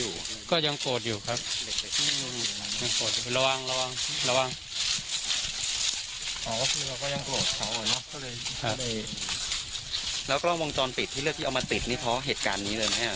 อ๋อคือเราก็ยังโกรธเขาอ่ะเนอะครับครับแล้วก็ลองวงจรปิดที่เลือกที่เอามาติดนี่เพราะเหตุการณ์นี้เลยไหมอ่ะ